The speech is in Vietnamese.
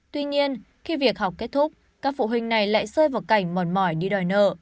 tuy nhiên khi việc học kết thúc các phụ huynh này lại rơi vào cảnh mòn mỏi đi đòi nợ